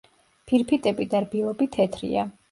ფირფიტები და რბილობი თეთრია.